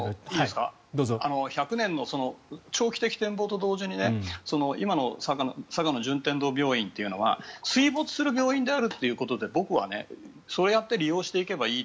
１００年の長期的展望と同時に今の佐賀の順天堂病院というのは水没する病院であるということでそうやって利用していけばいい。